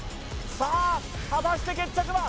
さあ果たして決着は？